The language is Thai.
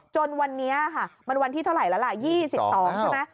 จนวันนี้ค่ะมันวันที่เท่าไหร่แล้วล่ะ๒๒ใช่ไหม